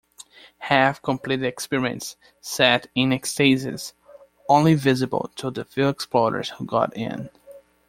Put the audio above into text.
Half-completed experiments sat in stasis, only visible to the few explorers who got in.